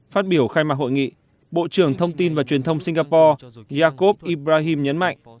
phát biểu khai mạc hội nghị bộ trưởng thông tin và truyền thông singapore yakov ibrahim nhấn mạnh